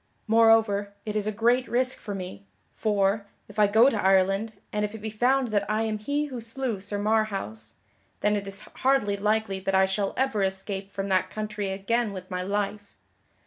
Moreover, it is a great risk for me, for, if I go to Ireland, and if it be found that I am he who slew Sir Marhaus, then it is hardly likely that I shall ever escape from that country again with my life.